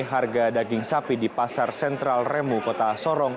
harga daging sapi di pasar sentral remu kota sorong